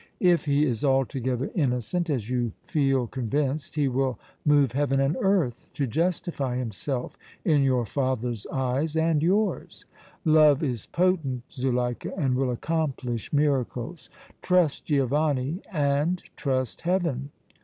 If he is altogether innocent, as you feel convinced, he will move heaven and earth to justify himself in your father's eyes and yours. Love is potent, Zuleika, and will accomplish miracles. Trust Giovanni and trust Heaven!